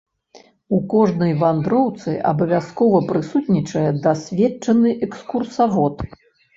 У кожнай вандроўцы абавязкова прысутнічае дасведчаны экскурсавод.